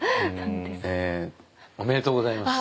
おめでとうございます。